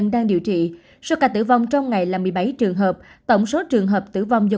đang điều trị số ca tử vong trong ngày là một mươi bảy trường hợp tổng số trường hợp tử vong do